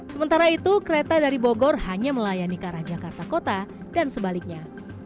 sementara itu kereta dari bogor hanya melayani ke arah jakarta kota dan sebaliknya